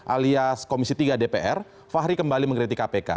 alias komisi tiga dpr fahri kembali mengkritik kpk